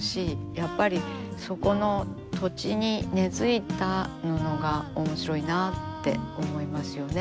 やっぱりそこの土地に根づいた布が面白いなあって思いますよね。